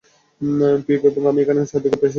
পিপ এবং আমি এখানে সাহায্য করতে এসেছি, তাই না?